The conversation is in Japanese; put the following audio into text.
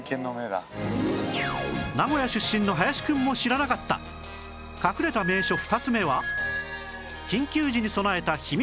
名古屋出身の林くんも知らなかった隠れた名所２つ目は